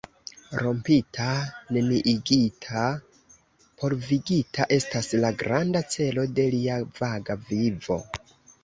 Rompita, neniigita, polvigita estas la granda celo de lia vaga vivo.